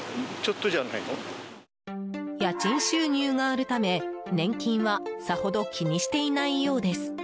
家賃収入があるため年金はさほど気にしていないようです。